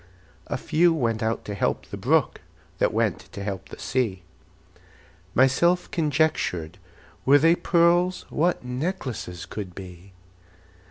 A few went out to help the brook, That went to help the sea. Myself conjectured, Were they pearls, What necklaces could be!